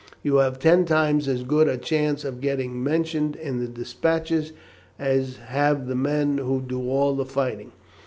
You have ten times as good a chance of getting mentioned in the despatches, as have the men who do all the fighting.